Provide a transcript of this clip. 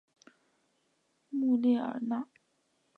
穆列尔讷。